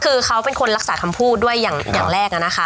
คือเขาเป็นคนรักษาคำพูดด้วยอย่างแรกนะคะ